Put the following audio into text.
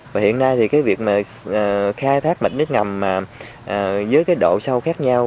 và hiện nay thì cái việc mà khai thác mạch nước ngầm mà với cái độ sâu khác nhau